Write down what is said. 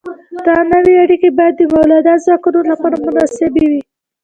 دا نوې اړیکې باید د مؤلده ځواکونو لپاره مناسبې وي.